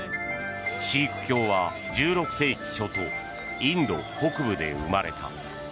シーク教は１６世紀初頭インド北部で生まれた。